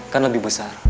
kan lebih besar